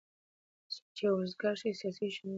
څوک چې اوزګار شی سیاسي شنوونکی شي.